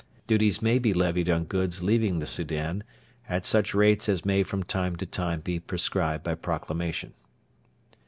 Duties may be levied on goods leaving the Soudan, at such rates as may from time to time be prescribed by Proclamation.